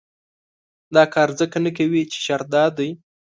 دا کار ځکه نه کوي چې شرط دا دی.